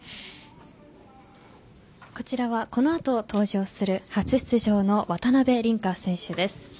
こちらはこのあと登場する初出場の渡辺倫果選手です。